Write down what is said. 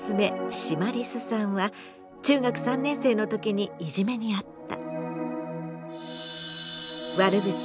シマリスさんは中学３年生の時にいじめにあった。